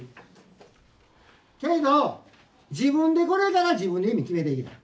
けど自分でこれから自分の意味決めていきたい。